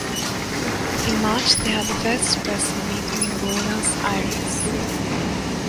In March they had the first personal meeting in Buenos Aires.